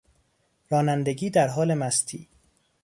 رانندگی در حال مستی